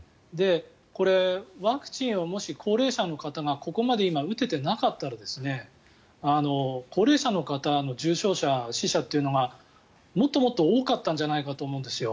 これ、ワクチンをもし高齢者の方がここまで今、打てていなかったら高齢者の方の重症者、死者というのがもっともっと多かったんじゃないかと思うんですよ。